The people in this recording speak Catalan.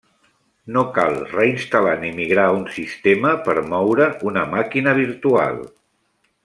No cal reinstal·lar ni migrar un sistema per moure una màquina virtual.